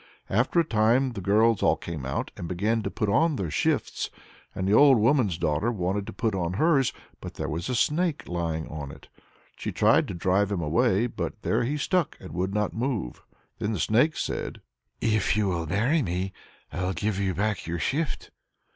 After a time the girls all came out, and began to put on their shifts, and the old woman's daughter wanted to put on hers, but there was the snake lying on it. She tried to drive him away, but there he stuck and would not move. Then the snake said: "If you'll marry me, I'll give you back your shift."